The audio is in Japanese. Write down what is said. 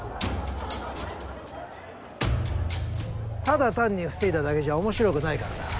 ただ単に防いだだけじゃ面白くないからな。